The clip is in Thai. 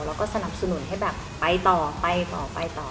แล้วก็สนับสนุนให้แบบไปต่อไปต่อไปต่อ